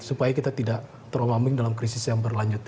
supaya kita tidak teromaming dalam krisis yang berlanjut